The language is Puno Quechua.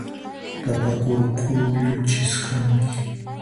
Papa kuru qulluchiq hampi.